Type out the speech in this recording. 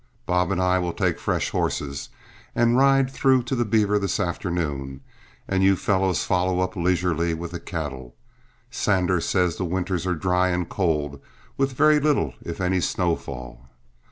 Bob and I will take fresh horses and ride through to the Beaver this afternoon, and you fellows follow up leisurely with the cattle. Sanders says the winters are dry and cold, with very little if any snowfall.